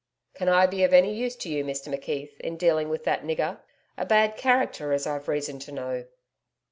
'Can I be of any use to you, Mr McKeith, in dealing with that nigger? A bad character, as I've reason to know.'